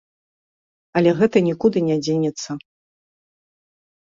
Але гэта нікуды не дзенецца.